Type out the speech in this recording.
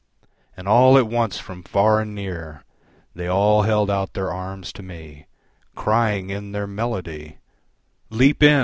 And all at once from far and near, They all held out their arms to me, Crying in their melody, "Leap in!